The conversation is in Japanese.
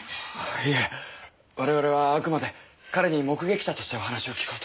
いえ我々はあくまで彼に目撃者としてお話を聞こうと。